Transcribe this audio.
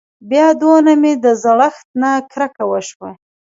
بيا دونه مې د زړښت نه کرکه وشوه.